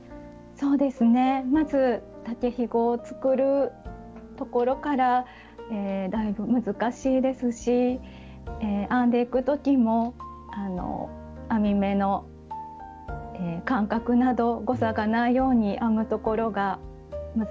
まず竹ひごを作るところからだいぶ難しいですし編んでいく時も編み目の間隔など誤差がないように編むところが難しいですね。